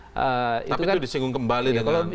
tapi itu disinggung kembali dengan wakil gubernur ya